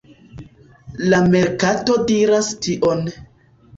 La merkato diras tion.